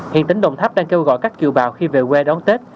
hiện tỉnh đồng tháp đang kêu gọi các kiều bào khi về quê đón tết